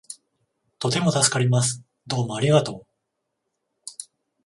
とても助かります。どうもありがとう